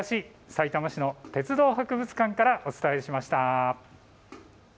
さいたま市の鉄道博物館からお伝えしました。